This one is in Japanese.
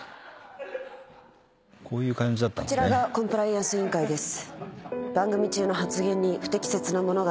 こちらがコンプライアンス委員会です。